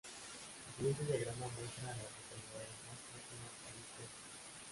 El siguiente diagrama muestra a las localidades más próximas a Big Delta.